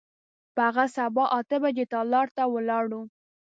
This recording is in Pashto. په هغه سبا اته بجې تالار ته ولاړو.